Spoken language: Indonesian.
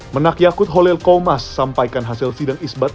menak yakut holil komas sampaikan hasil sidang isbat